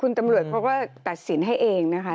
คุณตำรวจเขาก็ตัดสินให้เองนะคะ